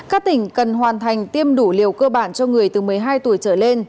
các tỉnh cần hoàn thành tiêm đủ liều cơ bản cho người từ một mươi hai tuổi trở lên